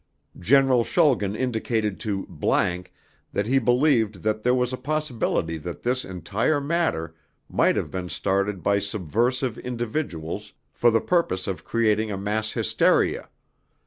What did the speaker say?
General Schulgen indicated to ____ that he believed that there was a possibility that this entire matter might have been started by subversive individuals for the purpose of creating a mass hysteria.